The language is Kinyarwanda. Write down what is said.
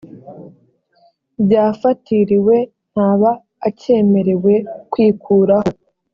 byafatiriwe ntaba acyemerewe kwikuraho